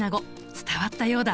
伝わったようだ。